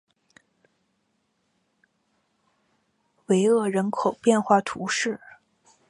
维厄人口变化图示